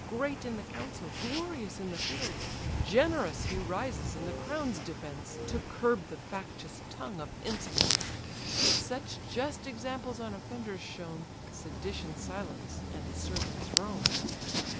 Great in the council, glorious in the field. Generous he rises in the crown's defence, To curb the factious tongue of insolence, Such just examples on offenders shown, Sedition silence, and assert the throne."